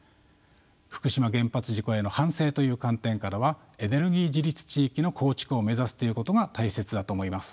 福島原発事故への反省という観点からはエネルギー自立地域の構築を目指すということが大切だと思います。